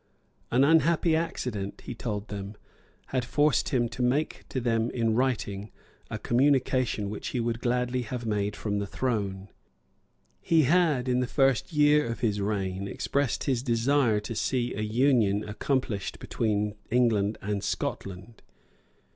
An unhappy accident, he told them, had forced him to make to them in writing a communication which he would gladly have made from the throne. He had, in the first year of his reign, expressed his desire to see an union accomplished between England and Scotland.